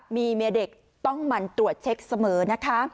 มีเมียเด็กต้องหมั่นตรวจเช็คเสมอนะคะ